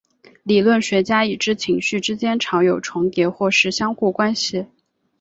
理论学家已知情绪之间常有重叠或是相互关系。